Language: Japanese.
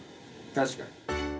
確かに。